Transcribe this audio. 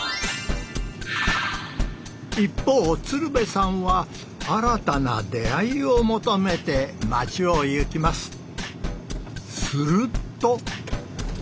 一方鶴瓶さんは新たな出会いを求めて町を行きます。